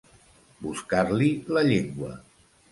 Buscar-li la llengua.